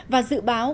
và dự báo